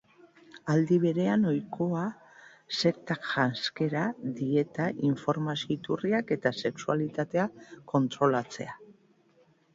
Aldi berean, ohikoa sektak janzkera, dieta, informazio-iturriak eta sexualitatea kontrolatzea.